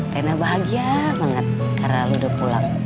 rena bahagia banget karena lo udah pulang